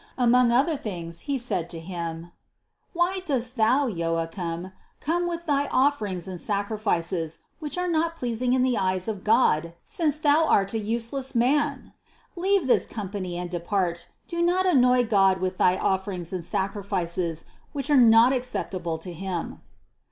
Among other things he said to him: "Why dost thou, Joachim, come with thy offer ings and sacrifices, which are not pleasing in the eyes of 148 CITY OF GOD God, since thou art a useless man? Leave this company and depart; do not annoy God with thy offerings and sacrifices, which are not acceptable to Him."